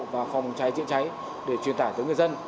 và phòng cháy chữa cháy để truyền tải tới người dân